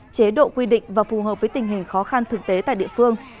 chế độ quy định và phù hợp với tình hình khó khăn thực tế tại địa phương